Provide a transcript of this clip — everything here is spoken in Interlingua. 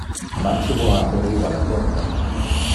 Maximo aperiva le porta.